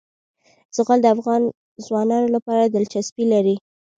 زغال د افغان ځوانانو لپاره دلچسپي لري.